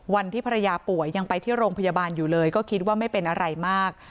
วันที่ภรรยาป่วยยังไปที่โรงพยาบาลอยู่เลยก็คิดว่าไม่เป็นอะไรมาก